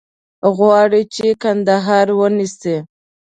غواړي چې کندهار ونیسي.